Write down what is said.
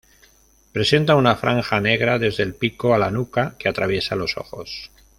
Presenta una franja negra desde el pico a la nuca que atraviesa los ojos.